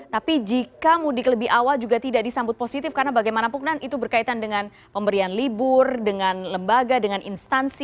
tapi jika mudik lebih awal juga tidak disambut positif karena bagaimanapun itu berkaitan dengan pemberian libur dengan lembaga dengan instansi